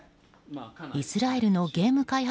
イスラエルのゲーム開発